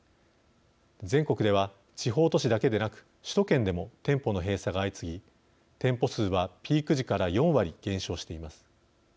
全国では地方都市だけでなく首都圏でも店舗の閉鎖が相次ぎ店舗数はピーク時から４割減少しています。